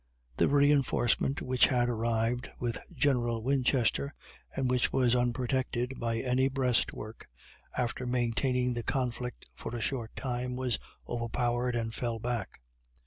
The reinforcement which had arrived with General Winchester, and which was unprotected by any breastwork, after maintaining the conflict for a short time, was overpowered and fell back.